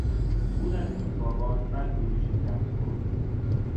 او در انتخابات بدجوری شکست خورد.